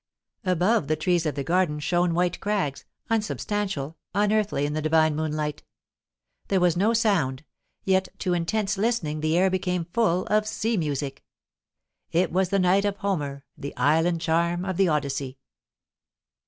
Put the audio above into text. Above the trees of the garden shone white crags, unsubstantial, unearthly in the divine moonlight. There was no sound, yet to intense listening the air became full of sea music. It was the night of Homer, the island charm of the Odyssey.